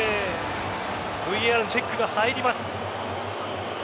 ＶＡＲのチェックが入ります。